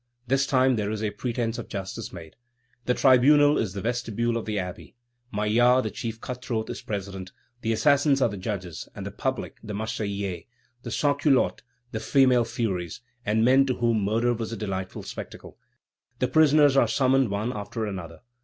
This time there is a pretence of justice made. The tribunal is the vestibule of the Abbey; Maillard, the chief cut throat, is president; the assassins are the judges, and the public, the Marseillais, the sans culottes, the female furies, and men to whom murder was a delightful spectacle. The prisoners are summoned one after another.